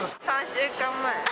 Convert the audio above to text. ３週間前。